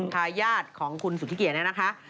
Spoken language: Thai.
ฐาญาติของคุณสุขิเกียร์นักนะคะ